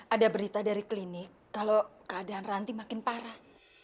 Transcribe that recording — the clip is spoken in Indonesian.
ada berita dari klinik kalau keadaan ranti makin parah